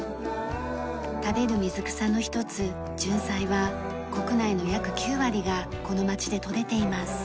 食べる水草の一つジュンサイは国内の約９割がこの町で採れています。